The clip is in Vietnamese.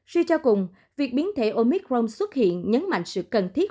suy cho cùng việc biến thể omicron xuất hiện nhấn mạnh sự cần thiết